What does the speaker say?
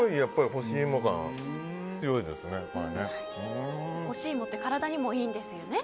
干し芋って体にもいいんですよね。